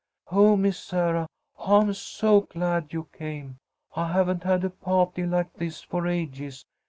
Oh, Miss Sarah, I'm so glad you came. I haven't had a pah'ty like this for ages.